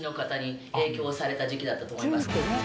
だったと思います。